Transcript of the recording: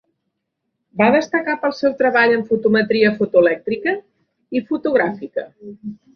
Va destacar pel seu treball en fotometria fotoelèctrica i fotogràfica.